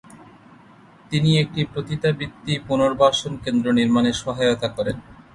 তিনি একটি পতিতাবৃত্তি পুনর্বাসন কেন্দ্র নির্মাণে সহায়তা করেন।